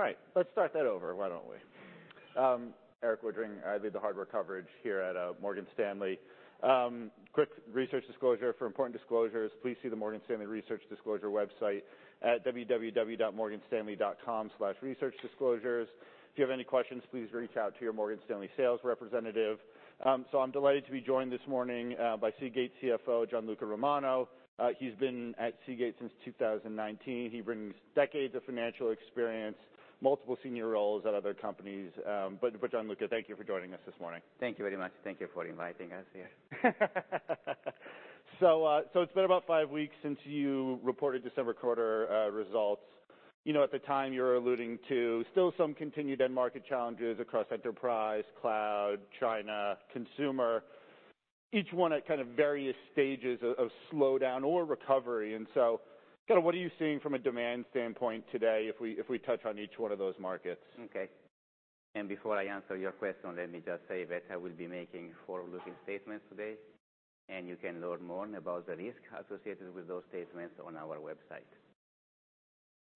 Perfect. All right, let's start that over, why don't we? Erik Woodring. I lead the hardware coverage here at Morgan Stanley. Quick research disclosure. For important disclosures, please see the Morgan Stanley Research Disclosure website at www.morganstanley.com/researchdisclosures. If you have any questions, please reach out to your Morgan Stanley sales representative. I'm delighted to be joined this morning by Seagate CFO, Gianluca Romano. He's been at Seagate since 2019. He brings decades of financial experience, multiple senior roles at other companies. But Gianluca, thank you for joining us this morning. Thank you very much. Thank you for inviting us here. It's been about five weeks since you reported December quarter results. You know, at the time, you were alluding to still some continued end market challenges across enterprise, cloud, China, consumer, each one at kind of various stages of slowdown or recovery. Kinda what are you seeing from a demand standpoint today if we, if we touch on each one of those markets? Okay. Before I answer your question, let me just say that I will be making forward-looking statements today, and you can learn more about the risks associated with those statements on our website.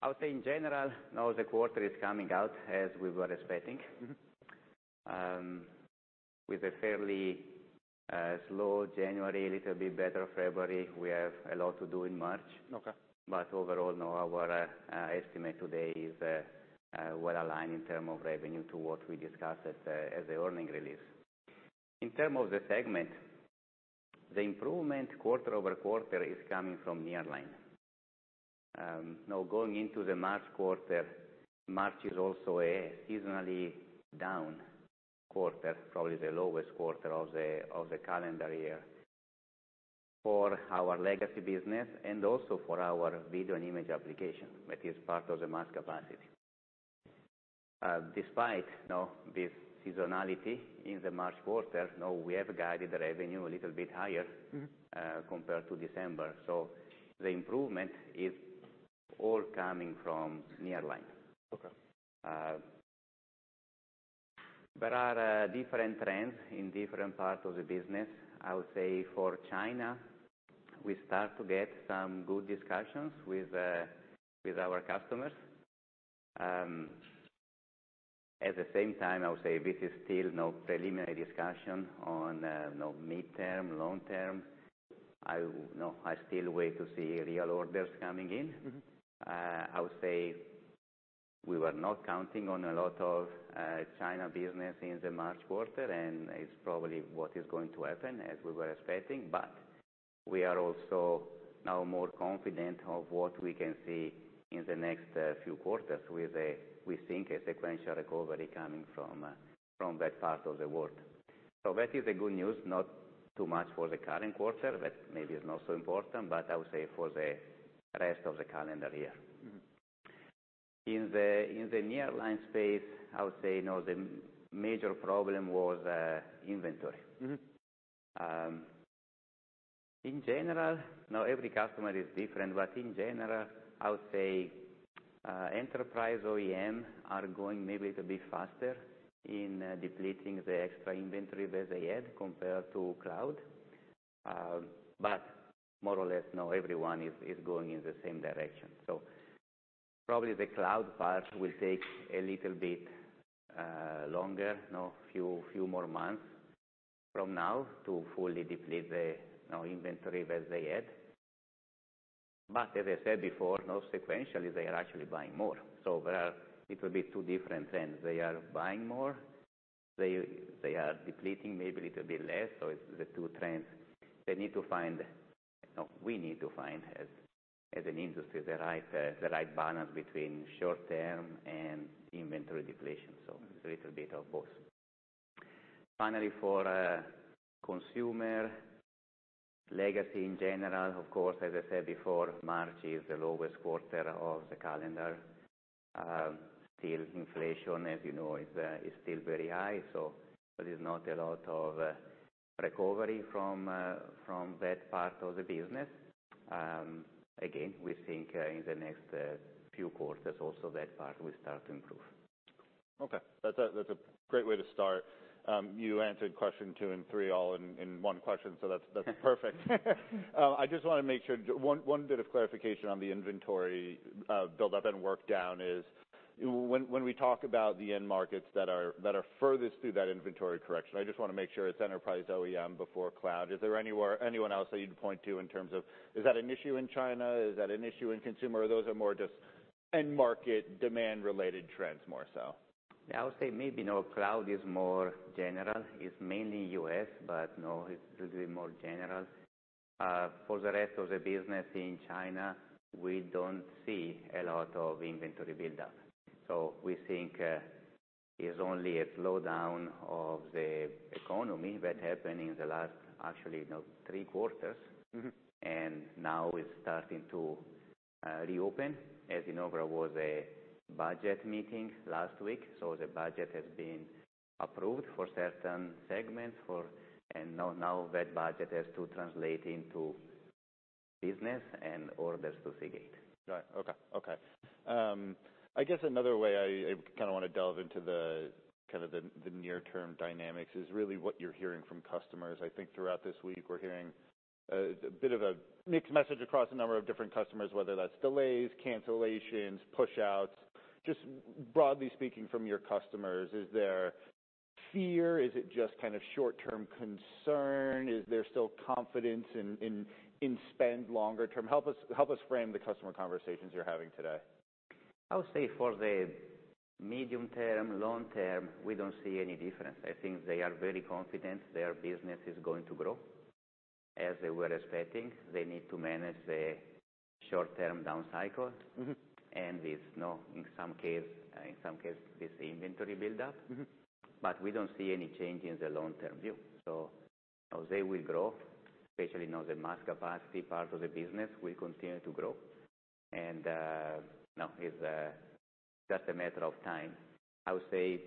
I would say in general, now the quarter is coming out as we were expecting. Mm-hmm. With a fairly, slow January, a little bit better February. We have a lot to do in March. Okay. Overall, no, our estimate today is well-aligned in terms of revenue to what we discussed at the earnings release. In terms of the segment, the improvement quarter-over-quarter is coming from nearline. Now going into the March quarter, March is also a seasonally down quarter, probably the lowest quarter of the calendar year for our legacy business and also for our video and image application that is part of the mass capacity. Despite, you know, this seasonality in the March quarter, now we have guided the revenue a little bit higher- Mm-hmm. Compared to December. The improvement is all coming from nearline. Okay. There are different trends in different parts of the business. I would say for China, we start to get some good discussions with our customers. At the same time, I would say this is still no preliminary discussion on no midterm, long term. No, I still wait to see real orders coming in. Mm-hmm. I would say we were not counting on a lot of China business in the March quarter, and it's probably what is going to happen, as we were expecting. We are also now more confident of what we can see in the next few quarters with we think a sequential recovery coming from that part of the world. That is the good news. Not too much for the current quarter, that maybe is not so important, but I would say for the rest of the calendar year. Mm-hmm. In the nearline space, I would say, you know, the major problem was inventory. Mm-hmm. In general, now every customer is different, but in general, I would say, enterprise OEM are going maybe a little bit faster in depleting the extra inventory that they had compared to cloud. But more or less, now everyone is going in the same direction. Probably the cloud part will take a little bit longer, you know, few more months from now to fully deplete the, you know, inventory that they had. But as I said before, now sequentially, they are actually buying more. There are little bit two different trends. They are buying more, they are depleting maybe a little bit less. It's the two trends. You know, we need to find, as an industry, the right balance between short-term and inventory depletion. It's a little bit of both. Finally, for consumer, legacy in general, of course, as I said before, March is the lowest quarter of the calendar. Still inflation, as you know, is still very high, so there is not a lot of recovery from that part of the business. Again, we think in the next few quarters also that part will start to improve. Okay. That's a great way to start. You answered question two and three all in one question, That's perfect. I just wanna make sure one bit of clarification on the inventory build-up and work down is when we talk about the end markets that are furthest through that inventory correction, I just wanna make sure it's enterprise OEM before cloud. Is there anyone else that you'd point to in terms of is that an issue in China, is that an issue in consumer, or those are more just end market demand related trends more so? Yeah, I would say maybe now cloud is more general. It's mainly U.S., but no, it's a little bit more general. For the rest of the business in China, we don't see a lot of inventory build-up. We think, it's only a slowdown of the economy that happened in the last, actually, you know, three quarters. Mm-hmm. Now it's starting to reopen. As you know, there was a budget meeting last week, the budget has been approved for certain segments. Now that budget has to translate into business and orders to Seagate. Got it. Okay. Okay. I guess another way I kinda wanna delve into the kind of the near-term dynamics is really what you're hearing from customers. I think throughout this week we're hearing a bit of a mixed message across a number of different customers, whether that's delays, cancellations, push-outs. Just broadly speaking from your customers, is there fear? Is it just kind of short-term concern? Is there still confidence in spend longer term? Help us frame the customer conversations you're having today. I would say for the medium term, long term, we don't see any difference. I think they are very confident their business is going to grow as they were expecting. They need to manage the short-term down cycle. Mm-hmm. It's, you know, in some case, this inventory buildup. Mm-hmm. We don't see any change in the long-term view. You know, they will grow, especially, you know, the mass capacity part of the business will continue to grow, and, you know, it's just a matter of time. I would say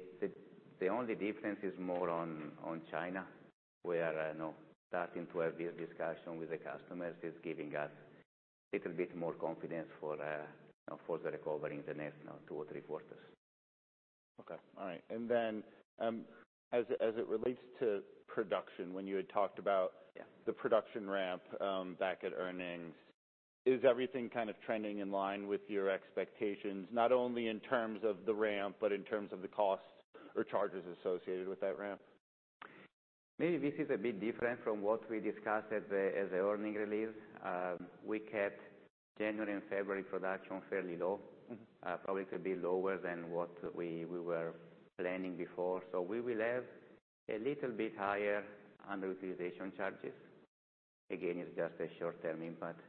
the only difference is more on China, where, you know, starting to have this discussion with the customers is giving us little bit more confidence for, you know, for the recovery in the next, you know, two or three quarters. Okay. All right. As it relates to production, when you had talked about. Yeah... the production ramp, back at earnings, is everything kind of trending in line with your expectations, not only in terms of the ramp, but in terms of the costs or charges associated with that ramp? Maybe this is a bit different from what we discussed at the earning release. We kept January and February production fairly low. Mm-hmm. Probably to be lower than what we were planning before, so we will have a little bit higher underutilization charges. Again, it's just a short-term impact.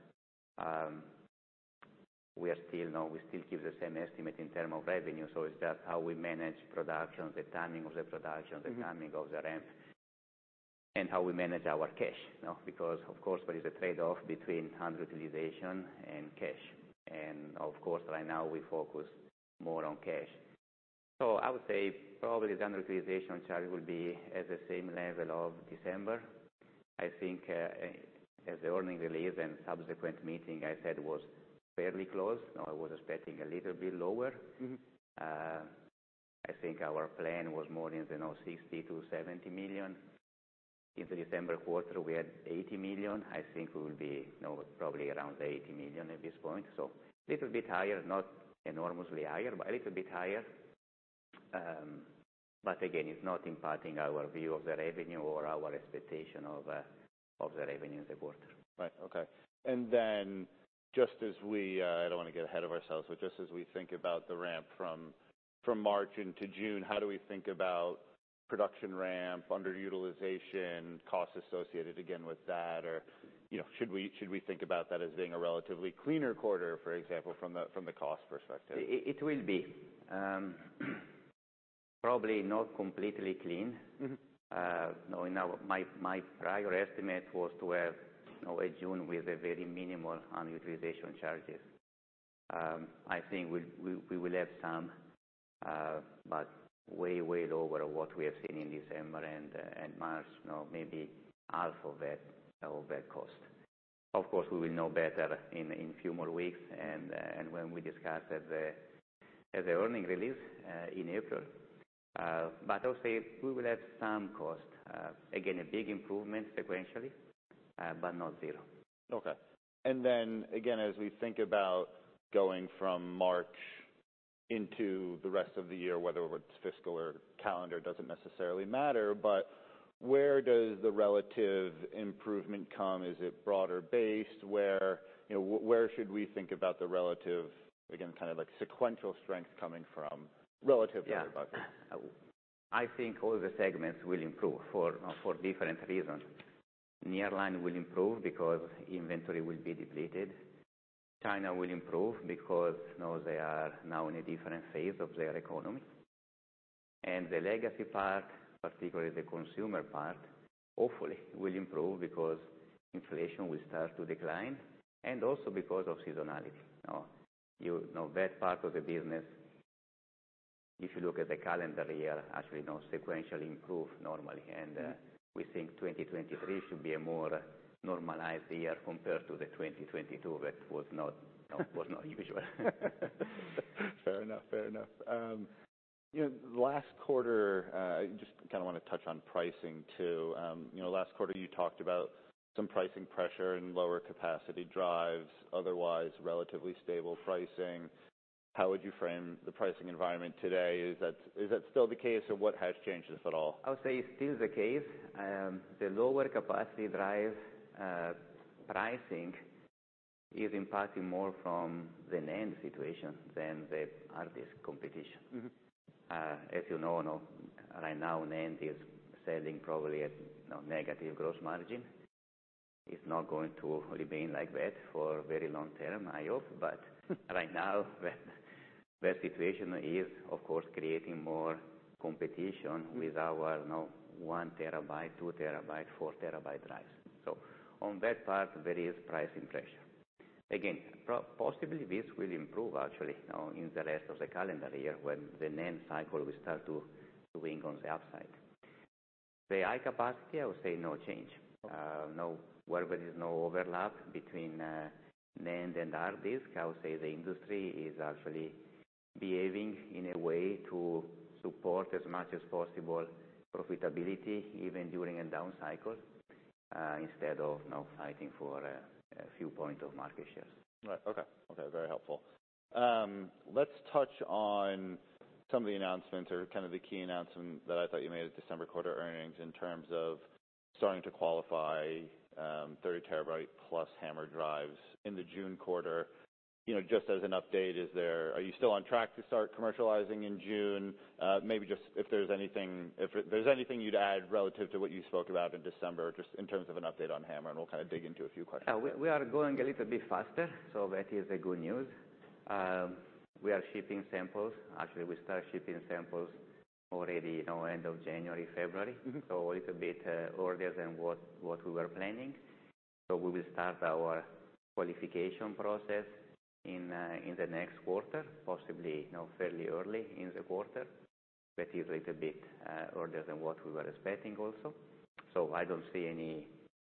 We are still, you know, we still keep the same estimate in term of revenue, so it's just how we manage production, the timing of the production. Mm-hmm... the timing of the ramp, and how we manage our cash. You know, because of course there is a trade-off between underutilization and cash, and of course, right now we focus more on cash. I would say probably the underutilization charge will be at the same level of December. I think, as the earning release and subsequent meeting, I said was fairly close. You know, I was expecting a little bit lower. Mm-hmm. I think our plan was more in the, you know, $60 million-$70 million. In the December quarter, we had $80 million. I think we will be, you know, probably around $80 million at this point. Little bit higher, not enormously higher, but a little bit higher. Again, it's not impacting our view of the revenue or our expectation of the revenue of the quarter. Right. Okay. Then just as we, I don't wanna get ahead of ourselves, but just as we think about the ramp from March into June, how do we think about production ramp, underutilization, costs associated again with that? You know, should we think about that as being a relatively cleaner quarter, for example, from the cost perspective? It will be, probably not completely clean. Mm-hmm. You know, my prior estimate was to have, you know, a June with a very minimal underutilization charges. I think we will have some, but way lower what we have seen in December and March. You know, maybe half of that, of that cost. Of course, we will know better in few more weeks and when we discuss at the earning release, in April. I'll say we will have some cost. Again, a big improvement sequentially, but not zero. Okay. Again, as we think about going from March into the rest of the year, whether it's fiscal or calendar doesn't necessarily matter, but where does the relative improvement come? Is it broader based? Where, you know, where should we think about the relative, again, kind of like sequential strength coming from? Yeah ...across it? I think all the segments will improve for different reasons. Nearline will improve because inventory will be depleted. China will improve because, you know, they are now in a different phase of their economy. The legacy part, particularly the consumer part, hopefully will improve because inflation will start to decline and also because of seasonality. You know, that part of the business, if you look at the calendar year, actually, you know, sequentially improve normally. We think 2023 should be a more normalized year compared to the 2022 that was not, you know, was not usual. Fair enough. Fair enough. you know, last quarter, just kinda wanna touch on pricing too. you know, last quarter you talked about some pricing pressure and lower capacity drives, otherwise relatively stable pricing. How would you frame the pricing environment today? Is that still the case, or what has changed, if at all? I would say it's still the case. The lower capacity drive, pricing is impacting more from the NAND situation than the hard disk competition. Mm-hmm. As you know, you know, right now, NAND is selling probably at, you know, negative gross margin. It's not going to remain like that for very long term, I hope. Right now, that situation is, of course, creating more competition with our, you know, 1 TB, 2 TB, 4 TB drives. On that part, there is pricing pressure. Again, possibly this will improve actually, you know, in the rest of the calendar year when the NAND cycle will start to swing on the upside. The high-capacity, I would say no change. Where there is no overlap between NAND and hard disk, I would say the industry is actually behaving in a way to support as much as possible profitability even during a down cycle, instead of, you know, fighting for a few point of market shares. Right. Okay. Okay, very helpful. Let's touch on some of the announcements or kind of the key announcement that I thought you made at December quarter earnings in terms of starting to qualify, 30 TB+ HAMR drives in the June quarter. You know, just as an update, Are you still on track to start commercializing in June? Maybe just if there's anything, if there's anything you'd add relative to what you spoke about in December, just in terms of an update on HAMR, and we'll kind of dig into a few questions? Yeah. We are going a little bit faster. That is the good news. We are shipping samples. Actually, we start shipping samples already, you know, end of January, February. Mm-hmm. A little bit earlier than what we were planning. We will start our qualification process in the next quarter, possibly, you know, fairly early in the quarter. That is a little bit earlier than what we were expecting also. I don't see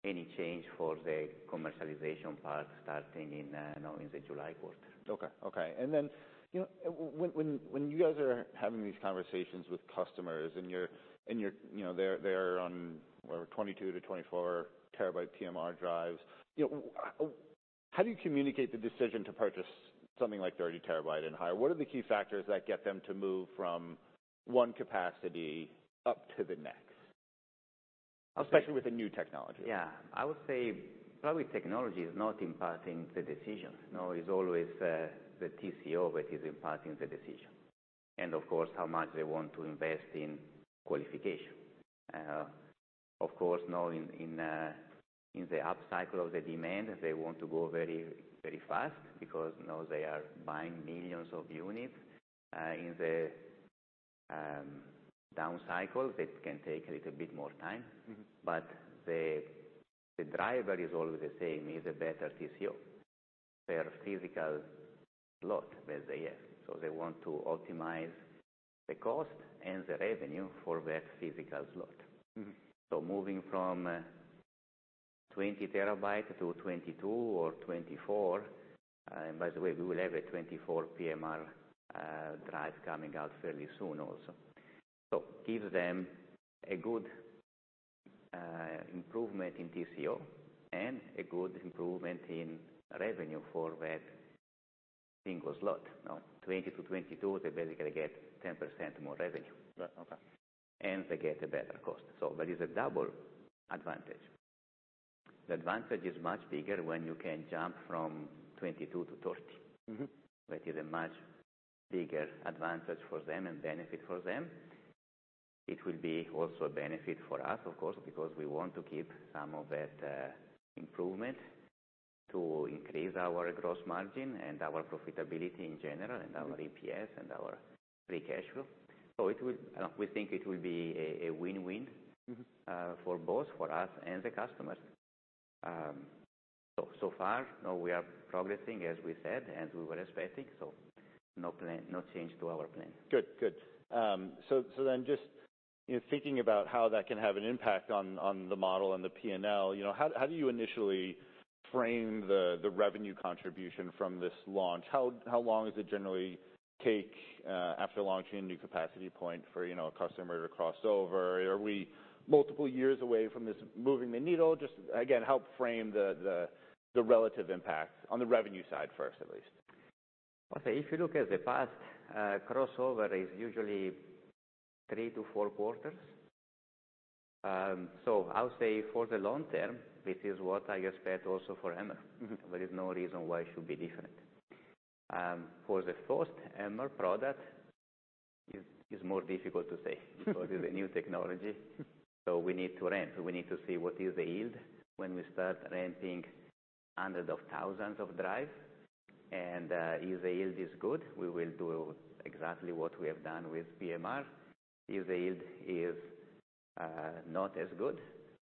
any change for the commercialization part starting in, you know, in the July quarter. Okay. Okay. you know, when you guys are having these conversations with customers and you're. You know, they're on, what, 22 TB-24 TB PMR drives. You know, how do you communicate the decision to purchase something like 30 TB and higher? What are the key factors that get them to move from one capacity up to the next? I'll say- Especially with a new technology. I would say probably technology is not impacting the decision. You know, it's always the TCO that is impacting the decision and, of course, how much they want to invest in qualification. Of course, you know, in the upcycle of the demand, they want to go very, very fast because, you know, they are buying millions of units, in the down cycles. It can take a little bit more time. Mm-hmm. The driver is always the same, is a better TCO per physical slot that they have. They want to optimize the cost and the revenue for that physical slot. Mm-hmm. Moving from 20 TB to 22 or 24, and by the way, we will have a 24 PMR drive coming out fairly soon also. Gives them a good improvement in TCO and a good improvement in revenue for that single slot. You know, 20-22, they basically get 10% more revenue. Right. Okay. They get a better cost. There is a double advantage. The advantage is much bigger when you can jump from 22 to 30. Mm-hmm. That is a much bigger advantage for them and benefit for them. It will be also a benefit for us, of course, because we want to keep some of that improvement to increase our gross margin and our profitability in general. Mm-hmm. our EPS and our free cash flow. You know, we think it will be a win-win. Mm-hmm. for both, for us and the customers. So far, you know, we are progressing, as we said, and we were expecting, No change to our plan. Good. Just, you know, thinking about how that can have an impact on the model and the P&L, you know, how do you initially frame the revenue contribution from this launch? How long does it generally take after launching a new capacity point for, you know, a customer to cross over? Are we multiple years away from this moving the needle? Just again, help frame the relative impact on the revenue side first, at least. Okay. If you look at the past, crossover is usually three to four quarters. I'll say for the long term, this is what I expect also for HAMR. Mm-hmm. There is no reason why it should be different. For the first HAMR product is more difficult to say because it's a new technology. We need to ramp. We need to see what is the yield when we start ramping hundreds of thousands of drive. If the yield is good, we will do exactly what we have done with PMR. If the yield is not as good,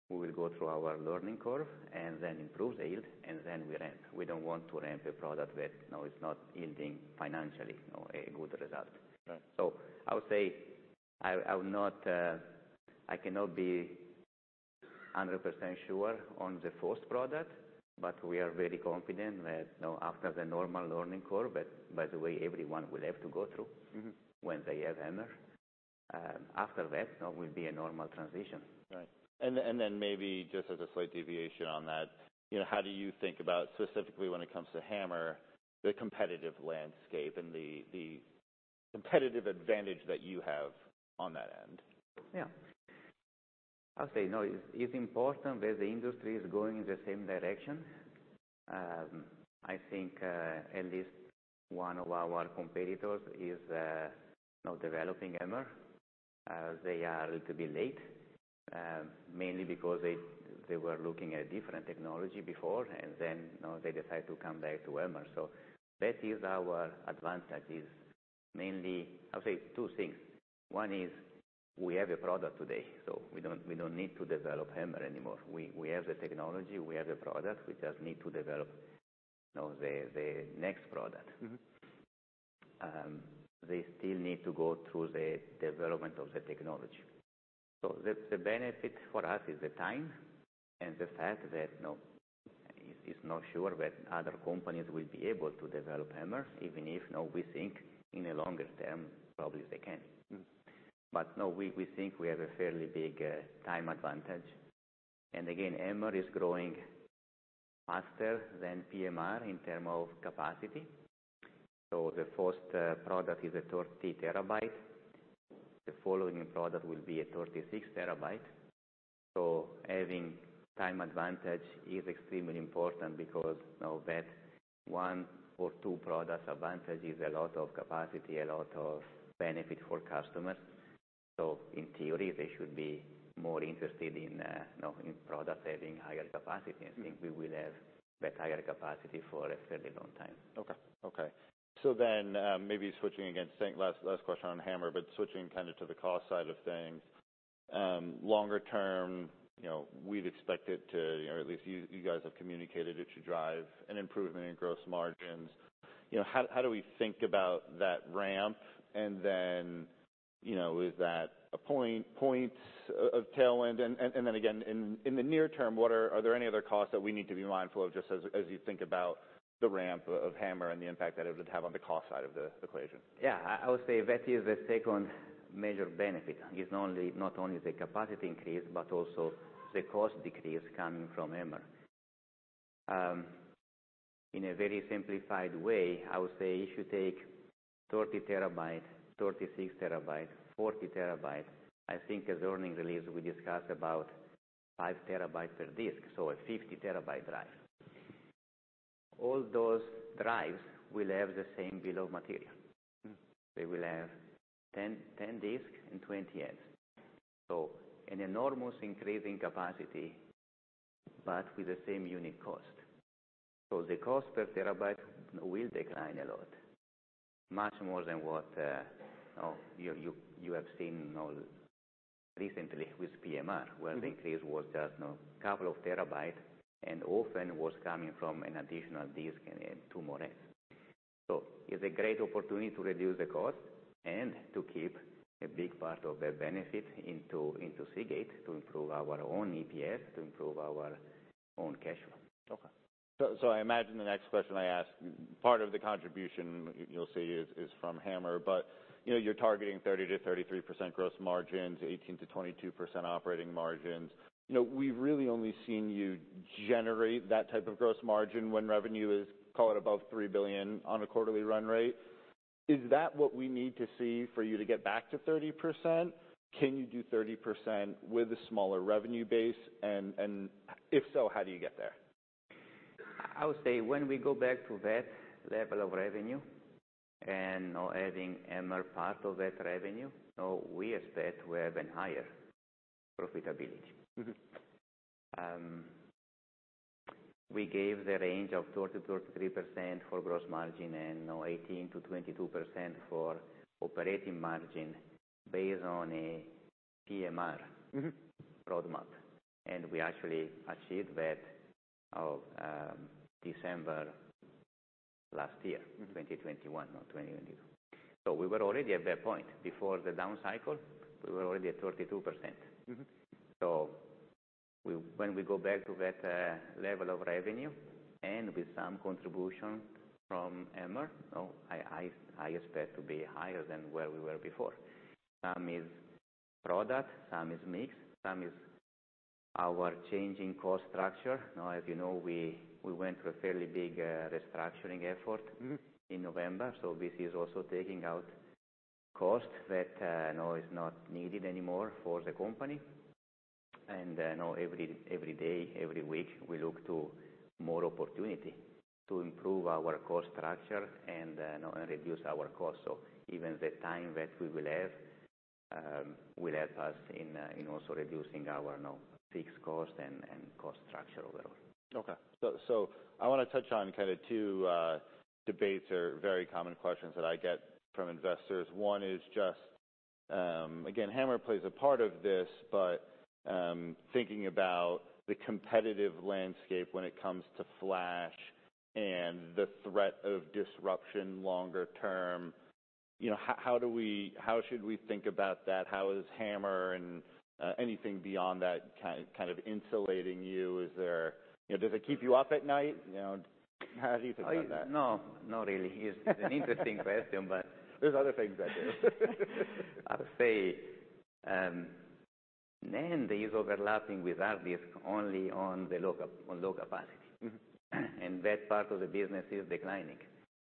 we will go through our learning curve and then improve the yield, and then we ramp. We don't want to ramp a product that, you know, it's not yielding financially, you know, a good result. Right. I would say I would not. I cannot be 100% sure on the first product, but we are very confident that, you know, after the normal learning curve that, by the way, everyone will have to go through. Mm-hmm. When they have HAMR, after that, you know, it will be a normal transition. Right. Maybe just as a slight deviation on that, you know, how do you think about specifically when it comes to HAMR, the competitive landscape and the competitive advantage that you have on that end? Yeah. I'll say, you know, it's important that the industry is going in the same direction. I think at least one of our competitors is, you know, developing HAMR. They are a little bit late, mainly because they were looking at a different technology before, and then, you know, they decided to come back to HAMR. That is our advantage, is mainly, I'll say two things. One is we have a product today, so we don't need to develop HAMR anymore. We have the technology, we have the product. We just need to develop, you know, the next product. Mm-hmm. They still need to go through the development of the technology. The benefit for us is the time and the fact that, you know, it's not sure that other companies will be able to develop HAMR, even if now we think in the longer term, probably they can. Mm-hmm. No, we think we have a fairly big time advantage. Again, HAMR is growing faster than PMR in term of capacity. The first product is a 30 TB. The following product will be a 36 TB. Having time advantage is extremely important because now that one or two products advantage is a lot of capacity, a lot of benefit for customers. In theory, they should be more interested in, you know, in product having higher capacity. Mm-hmm. I think we will have that higher capacity for a fairly long time. Okay. Okay. maybe switching again, saying last question on HAMR, but switching kind of to the cost side of things. longer term, you know, we'd expect it to, or at least you guys have communicated it should drive an improvement in gross margins. You know, how do we think about that ramp? you know, is that a point of tailwind? again, in the near term, are there any other costs that we need to be mindful of just as you think about the ramp of HAMR and the impact that it would have on the cost side of the equation? I would say that is the second major benefit. It's only, not only the capacity increase, but also the cost decrease coming from HAMR. In a very simplified way, I would say if you take 30 TB, 36 TB, 40 TB, I think as earnings release, we discuss about 5 TB per disk, so a 50 TB drive. All those drives will have the same bill of material. Mm-hmm. They will have 10 disk and 20 heads. An enormous increase in capacity, but with the same unit cost. The cost per terabyte will decline a lot, much more than what you have seen now recently with PMR. Mm-hmm. Where the increase was just now couple of terabyte and often was coming from an additional disk and two more heads. It's a great opportunity to reduce the cost and to keep a big part of the benefit into Seagate to improve our own EPS, to improve our own cash flow. I imagine the next question I ask, part of the contribution you'll say is from HAMR, but, you know, you're targeting 30%-33% gross margins, 18%-22% operating margins. You know, we've really only seen you generate that type of gross margin when revenue is, call it, above $3 billion on a quarterly run rate. Is that what we need to see for you to get back to 30%? Can you do 30% with a smaller revenue base? If so, how do you get there? I would say when we go back to that level of revenue and now adding HAMR part of that revenue, we expect to have an higher profitability. Mm-hmm. We gave the range of 30%-33% for gross margin and now 18%-22% for operating margin based on a PMR-. Mm-hmm... roadmap. We actually achieved that December last year. Mm-hmm. 2021, not 2022. We were already at that point. Before the down cycle, we were already at 32%. Mm-hmm. When we go back to that level of revenue and with some contribution from HAMR, I expect to be higher than where we were before. Some is product, some is mix, some is our changing cost structure. As you know, we went through a fairly big restructuring effort. Mm-hmm... in November. This is also taking out cost that now is not needed anymore for the company. Now every day, every week, we look to more opportunity to improve our cost structure and reduce our cost. Even the time that we will have will help us in also reducing our now fixed cost and cost structure overall. I wanna touch on kind of two debates or very common questions that I get from investors. One is just, again, HAMR plays a part of this, but, thinking about the competitive landscape when it comes to flash and the threat of disruption longer term, you know, how should we think about that? How is HAMR and anything beyond that kind of insulating you? You know, does it keep you up at night? You know, how do you think about that? No, not really. It's an interesting question, but- There's other things I do. I would say, NAND is overlapping with hard disk only on low capacity. Mm-hmm. That part of the business is declining.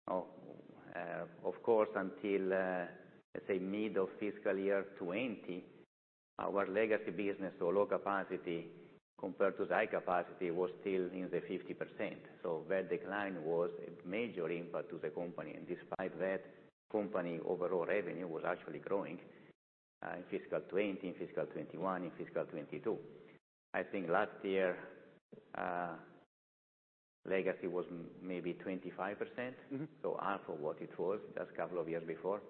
Of course, until, let's say mid of fiscal year 2020, our legacy business or low capacity compared to high capacity was still in the 50%. That decline was a major impact to the company. Despite that, company overall revenue was actually growing in fiscal 2020, in fiscal 2021, in fiscal 2022. I think last year, legacy was maybe 25%. Mm-hmm. Half of what it was just couple of years before.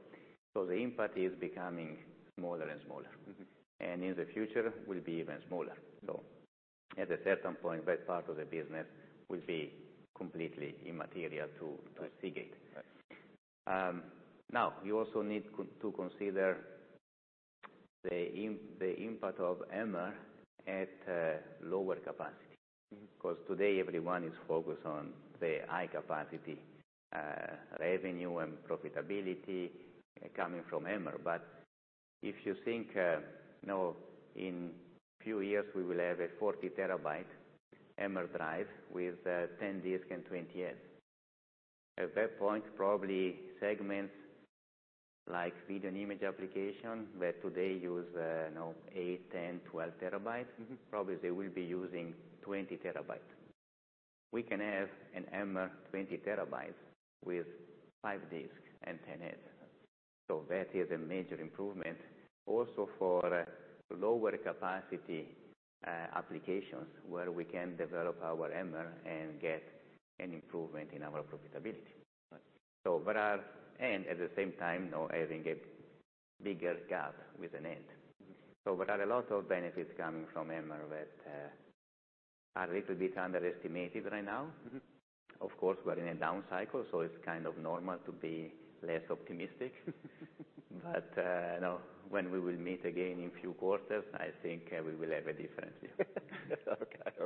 The impact is becoming smaller and smaller. Mm-hmm. In the future will be even smaller. At a certain point, that part of the business will be completely immaterial to Seagate. Right. Now you also need to consider the impact of HAMR at lower capacity. Because today everyone is focused on the high capacity revenue and profitability coming from HAMR. But if you think, you know, in few years we will have a 40 TB HAMR drive with 10 disk and 20 heads. At that point, probably segments like video and image application that today use, you know, eight, 10, 12 terabytes, probably they will be using 20 TB. We can have a HAMR 20 TB with five disks and 10 heads. That is a major improvement also for lower capacity applications where we can develop our HAMR and get an improvement in our profitability. At the same time, you know, having a bigger gap with NAND. There are a lot of benefits coming from HAMR that are little bit underestimated right now. Mm-hmm. Of course, we're in a down cycle, so it's kind of normal to be less optimistic. You know, when we will meet again in few quarters, I think we will have a different view. Okay.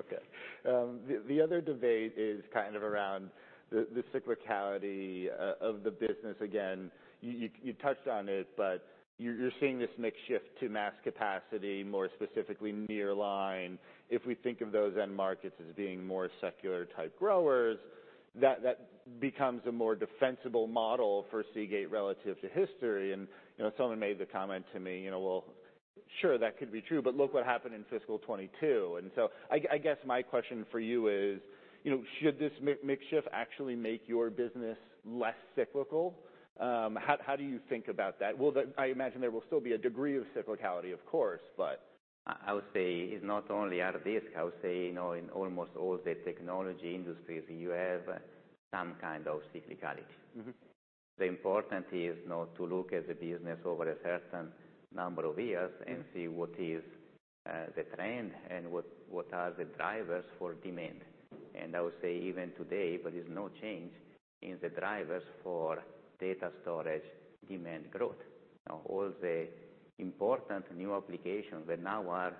Okay. The other debate is kind of around the cyclicality of the business again. You touched on it, but you're seeing this mix shift to mass capacity, more specifically nearline. If we think of those end markets as being more secular type growers, that becomes a more defensible model for Seagate relative to history. You know, someone made the comment to me, you know, "Well, sure, that could be true, but look what happened in fiscal 2022." I guess my question for you is, you know, should this mix shift actually make your business less cyclical? How do you think about that? Well, I imagine there will still be a degree of cyclicality, of course, but. I would say it's not only our risk. I would say, you know, in almost all the technology industries, you have some kind of cyclicality. Mm-hmm. The important is, you know, to look at the business over a certain number of years. Mm-hmm. See what is the trend and what are the drivers for demand. I would say even today, there is no change in the drivers for data storage demand growth. You know, all the important new applications that now are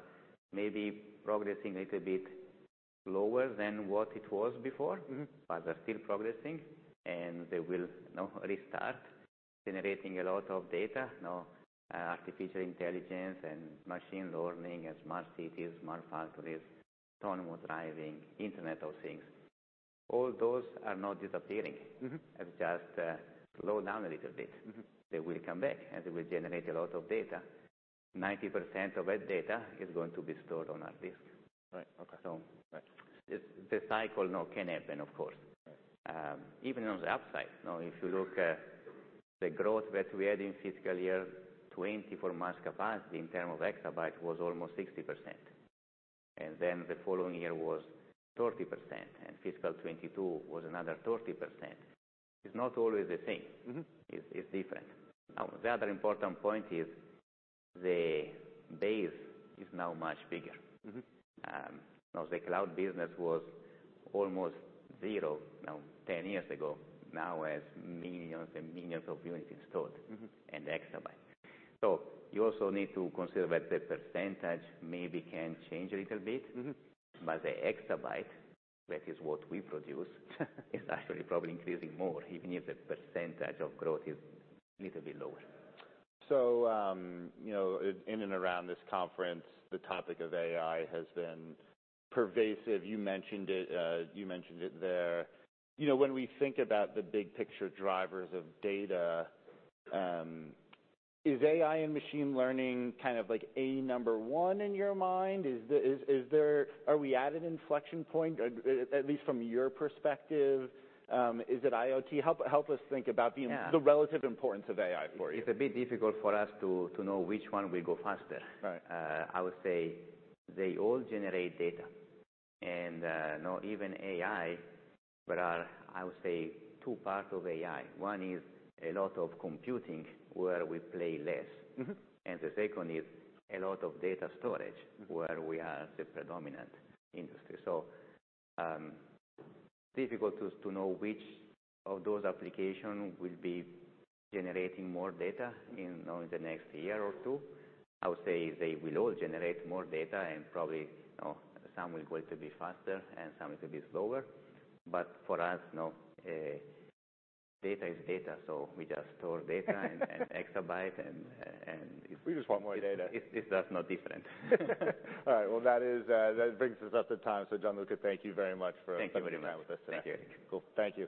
maybe progressing a little bit lower than what it was before. Mm-hmm. They're still progressing, and they will, you know, restart generating a lot of data. You know, artificial intelligence and machine learning and smart cities, smart factories, autonomous driving, Internet of Things, all those are not disappearing. Mm-hmm. Have just slowed down a little bit. Mm-hmm. They will come back, and they will generate a lot of data. 90% of that data is going to be stored on our disk. Right. Okay. So- Right. The cycle, you know, can happen of course. Right. Even on the upside, you know, if you look at the growth that we had in fiscal year 2020 for mass capacity in term of exabyte was almost 60%, and then the following year was 30%, and fiscal 2022 was another 30%. It's not always the same. Mm-hmm. It's different. Now, the other important point is the base is now much bigger. Mm-hmm. You know, the cloud business was almost zero, you know, 10 years ago. Now has millions and millions of units installed- Mm-hmm. exabyte. You also need to consider that the percentage maybe can change a little bit. Mm-hmm. The exabyte, that is what we produce, is actually probably increasing more, even if the percentage of growth is little bit lower. You know, in and around this conference, the topic of AI has been pervasive. You mentioned it, you mentioned it there. You know, when we think about the big picture drivers of data, is AI and machine learning kind of like a number one in your mind? Are we at an inflection point, at least from your perspective? Is it IoT? Help us think about. Yeah. the relative importance of AI for you. It's a bit difficult for us to know which one will go faster. Right. I would say they all generate data and, you know, even AI, there are, I would say, two parts of AI. One is a lot of computing where we play less. Mm-hmm. The second is a lot of data storage. Mm-hmm. where we are the predominant industry. Difficult to know which of those application will be generating more data in, you know, the next year or two. I would say they will all generate more data, and probably, you know, some will grow a little bit faster and some a little bit slower. For us, you know, data is data, so we just store data and exabyte and- We just want more data. It's just not different. All right. Well, that is, that brings us up to time. Gianluca, thank you very much for- Thank you very much. spending time with us today. Thank you. Cool. Thank you.